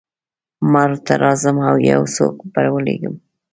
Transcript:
مرو ته راځم او یو څوک به ولېږم.